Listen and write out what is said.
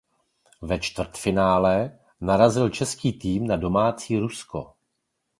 Ve čtvrtfinále narazil český tým na domácí Rusko.